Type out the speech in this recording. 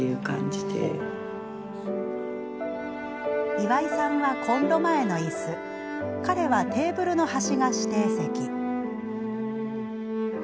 岩井さんはコンロ前のいす彼はテーブルの端が指定席。